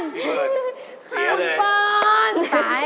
พี่เบิร์ดเสียเลย